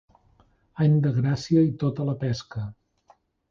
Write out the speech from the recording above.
Any de gràcia i tota la pesca.